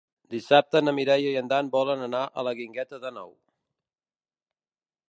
Dissabte na Mireia i en Dan volen anar a la Guingueta d'Àneu.